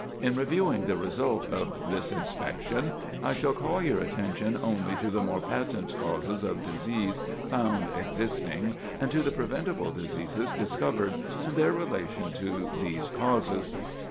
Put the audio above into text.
In reviewing the result of this inspection, I shall call your attention only to the more patent causes of disease found existing, and to the preventable diseases discovered, and their relation to these causes.